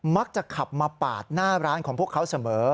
มักจะขับมาปาดหน้าร้านของพวกเขาเสมอ